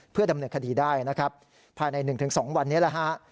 เพื่อดำเนินคดีได้นะครับภายใน๑๒วันนี้แหละฮะ